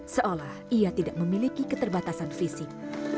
seolah ia tidak memiliki keterbatasan fisik